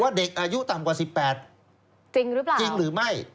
ว่าเด็กอายุต่ำกว่า๑๘จริงหรือไม่